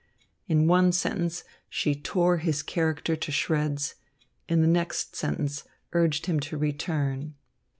In one sentence she tore his character to shreds, in the next sentence urged him to return.